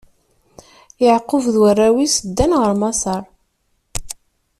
Yeɛqub d warraw-is ddan ɣer Maseṛ.